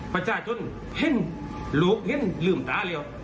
ประชาชนเห็นลูกเห็นลืมตาเร็ว